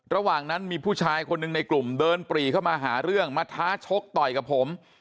ระหว่างนั้นมีผู้ชายคนหนึ่งในกลุ่มเดินปรีเข้ามาหาเรื่องมาท้าชกต่อยกับผม